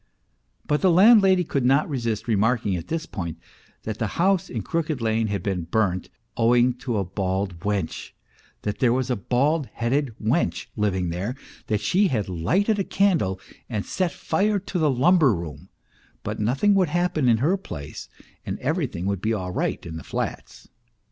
But the landlady could not resist remarking at this point that the house in Crooked Lane had been burnt owing to a bald wench ; that there was a bald headed wench li ving there, that she had lighted a candle and set fire to the lumber room; but nothing would happen in her place, arid everything would be all right in the flats.